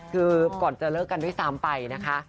คือก่อนจะเลิกกันด้วยซ้ำไปนะคะ